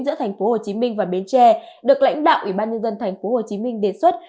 giữa tp hcm và bến tre được lãnh đạo ủy ban nhân dân tp hcm đề xuất